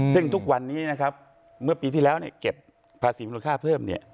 ซึ่งทุกวันนี้นะครับเมื่อปีที่แล้วเก็บภาษีมูลค่าเพิ่ม